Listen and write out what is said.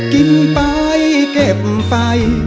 กินไปเก็บไฟ